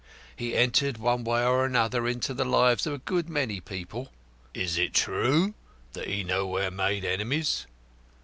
He entered one way or another into the lives of a good many people; is it true that he nowhere made enemies?